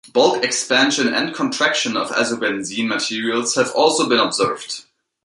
Bulk expansion and contraction of azobenzene materials have also been observed.